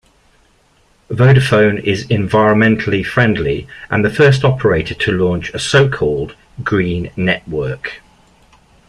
Vodafone is environmentally friendly and the first operator to launch a so-called Green network.